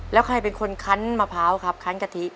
แล้วใครเป็นคนคั้นมะพร้าวครับคันกะทิ